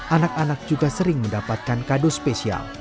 anak anak juga sering mendapatkan kado spesial